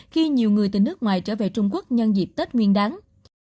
khi nhiều người từ nước ngoài trở về trung quốc nhân dịp tết nguyên đáng